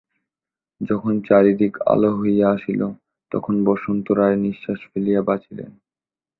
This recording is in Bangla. যখন চারিদিক আলাে হইয়া আসিল তখন বসন্ত রায় নিশ্বাস ফেলিয়া বাঁচিলেন।